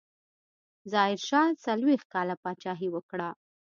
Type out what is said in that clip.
ظاهرشاه څلوېښت کاله پاچاهي وکړه.